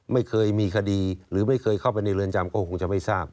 ไม่เคยมีคดีหรือไม่เคยเข้าไปในเรือนจำก็คงจะไม่ทราบ